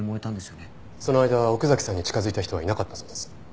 その間奥崎さんに近づいた人はいなかったそうです。